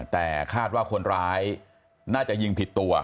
แต่คาดว่าคนร้ายน่าจะยิงผิดตัว